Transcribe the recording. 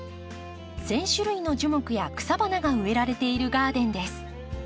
１，０００種類の樹木や草花が植えられているガーデンです。